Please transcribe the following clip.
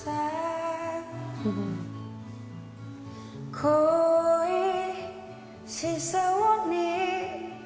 恋しそうに